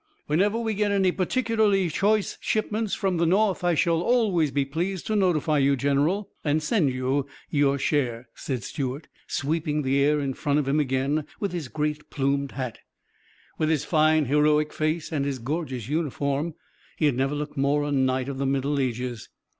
"Whenever we get any particularly choice shipments from the North I shall always be pleased to notify you, General, and send you your share," said Stuart, sweeping the air in front of him again with his great plumed hat. With his fine, heroic face and his gorgeous uniform he had never looked more a knight of the Middle Ages.